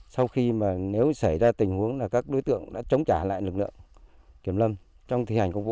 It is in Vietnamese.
sau khi mà nếu xảy ra tình huống là các đối tượng đã chống trả lại lực lượng kiểm lâm trong thi hành công vụ